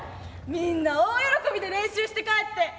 みんな大喜びで練習して帰って。